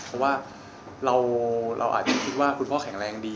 เพราะว่าเราอาจจะคิดว่าคุณพ่อแข็งแรงดี